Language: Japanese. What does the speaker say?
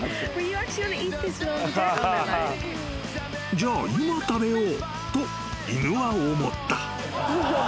［じゃあ今食べようと犬は思った］